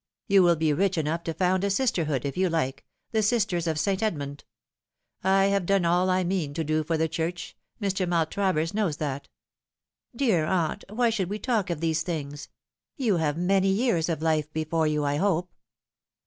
You will be rich enough to found a sisterhood, if you like the Sisters of St. Edmund. I have done all I mean to do for the Church. Mr. Maltravers knows that." " Dear aunt, why should we talk of these things ? You have many years of life before you, I hope."